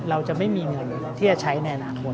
เราจะไม่มีเงินที่จะใช้ในอนาคต